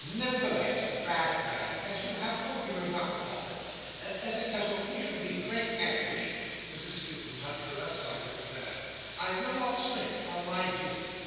Nevertheless, bad man, as you have boldly remarked upon it, and as it has occasioned me great anguish:" Mrs Skewton touched her left side with her fan: "I will not shrink from my duty."